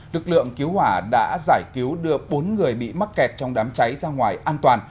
lực lượng cứu hỏa đã giải cứu đưa bốn người bị mắc kẹt trong đám cháy ra ngoài an toàn